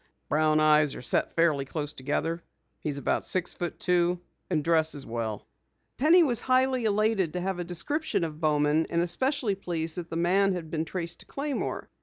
"Brown eyes are set fairly close together. He's about six feet two and dresses well." Penny was highly elated to have gained a description of Bowman, and especially pleased that the man had been traced to Claymore.